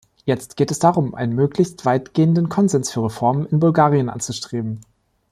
Jetzt geht es darum, einen möglichst weitgehenden Konsens für Reformen in Bulgarien anzustreben.